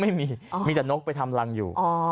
ไม่มีมีแต่นกไปทำรังอยู่